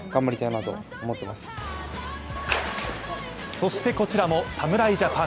そしてこちらも侍ジャパン。